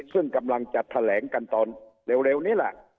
ซึ่งกำลังจะแถลงกันตอนเร็วนี้แหละ